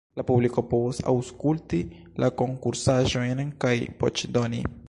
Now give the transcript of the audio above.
La publiko povos aŭskulti la konkursaĵojn kaj voĉdoni.